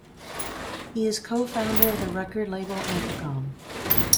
He is co-founder of the record label Anticon.